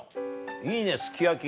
いいねすき焼き。